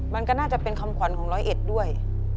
มันก็น่าจะเป็นคำขวัญของร้อยเอ็ดด้วย